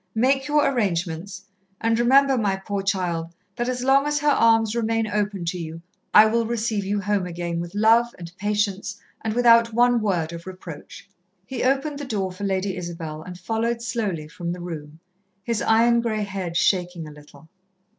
Make your arrangements, and remember, my poor child, that as long as her arms remain open to you, I will receive you home again with love and patience and without one word of reproach." He opened the door for Lady Isabel and followed slowly from the room, his iron grey head shaking a little.